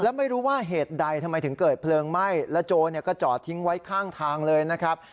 แล้วไม่รู้ว่าเหตุใดทำไมถึงเกิดเพลิงไหม้แล้วโจรก็จอดทิ้งไว้ข้างทางเลยนะครับ